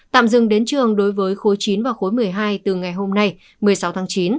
tạm dừng đến trường đối với khối chín và khối một mươi hai từ ngày hôm nay một mươi sáu tháng chín